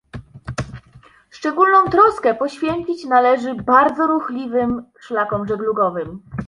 Szczególną troskę poświęcić należy bardzo ruchliwym szlakom żeglugowym